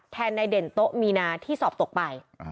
ในเด่นโต๊ะมีนาที่สอบตกไป